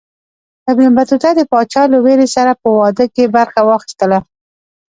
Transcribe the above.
ابن بطوطه د پاچا له ورېرې سره په واده کې برخه واخیستله.